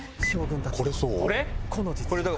これ？